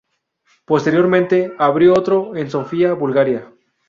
Posteriormente, abrió otro en Sofía, Bulgaria.